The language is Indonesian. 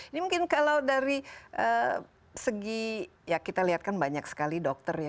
ini mungkin kalau dari segi ya kita lihat kan banyak sekali dokter ya